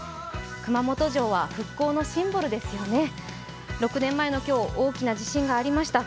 熊本城は復興のシンボルですよね、６年前の今日、大きな地震がありました。